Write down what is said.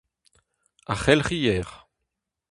Ar C'helc'hier.